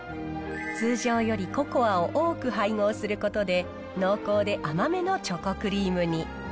通常よりココアを多く配合することで、濃厚で甘めのチョコクリームに。